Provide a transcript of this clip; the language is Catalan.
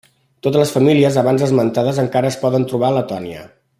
Totes les famílies abans esmentades encara es poden trobar a Letònia.